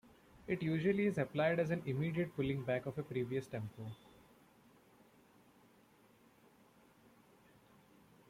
It usually is applied as an immediate pulling back of a previous tempo.